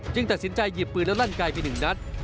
ตัดสินใจหยิบปืนและลั่นไกลไปหนึ่งนัด